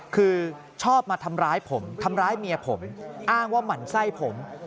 คือชอบมาทำร้ายผมทำร้ายเมียผมอ้างว่าหมั่นไส้ผม